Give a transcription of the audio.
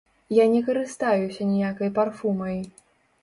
Я не карыстаюся ніякай парфумай.